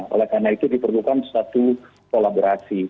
oleh karena itu diperlukan suatu kolaborasi